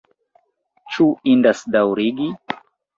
Ĉu indas daŭrigi?